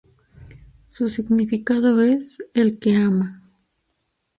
Su significado es 'el que ama'.